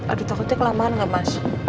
aduh takutnya kelamaan gak mas